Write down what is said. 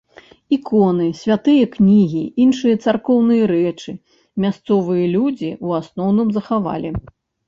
Іконы, святыя кнігі, іншыя царкоўныя рэчы мясцовыя людзі ў асноўным захавалі.